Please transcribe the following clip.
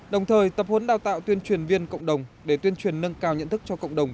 đồng thời tập huấn đào tạo tuyên truyền viên cộng đồng để tuyên truyền nâng cao nhận thức cho cộng đồng